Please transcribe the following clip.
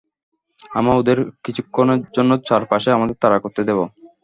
আমরা ওদের কিছুক্ষণের জন্য চারপাশে আমাদের তাড়া করতে দেব।